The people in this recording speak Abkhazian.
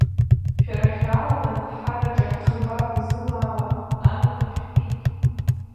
Шәара шәаалаган, ҳагаҿахь ӷбак зымааиуа амҩақәа шәкит.